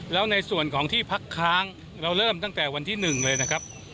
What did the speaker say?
แล้วในส่วนของที่พักค้างเราเริ่มตั้งแต่วันที่๑เลยนะครับ